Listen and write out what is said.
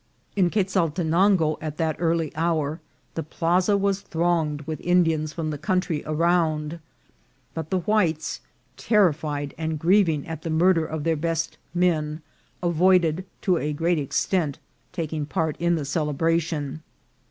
In Quezaltenango, at that early hour, the plaza was thronged with Indians from the country around ; but the whites, terrified and grieving at the murder of their best men, avoided, to a great extent, taking part in the celebration.